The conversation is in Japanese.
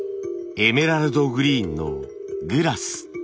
エメラルドグリーンのグラス。